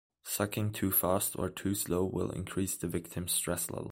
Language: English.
Sucking too fast or too slow will increase the victim's stress level.